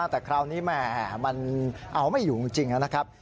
แต่คราวนี้แหม่มันเอาไม่อยู่จริงนะครับ